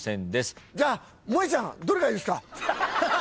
じゃあもえちゃんどれがいいですか？